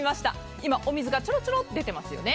今、お水がちょろちょろっと出てますよね。